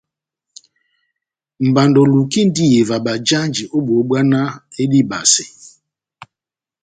Mbando elukindi iyeva bajanji ó bohó bbwá náh edibase.